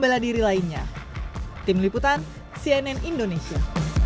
bela diri lainnya tim liputan cnn indonesia